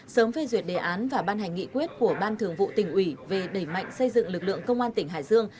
sớm phê duyệt đề án và ban hành nghị quyết của ban thường vụ tỉnh ủy về đẩy mạnh xây dựng lực lượng công an tỉnh hải dương